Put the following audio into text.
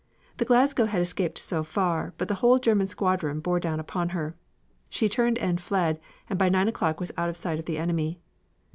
The Glasgow had escaped so far, but the whole German squadron bore down upon her. She turned and fled and by nine o'clock was out of sight of the enemy.